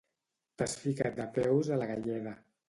T'has ficat de peus a la galleda